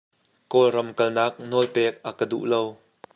Kawlram kalnak nawlpek a ka duh lo.